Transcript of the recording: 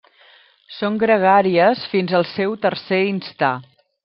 Són gregàries fins al seu tercer instar.